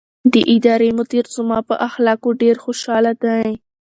د ادارې مدیر زما په اخلاقو ډېر خوشحاله دی.